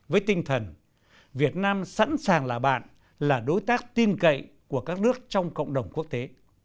với tinh thần việt nam sẵn sàng là bạn là đối tác tin cậy của các nước trong cộng đồng quốc tế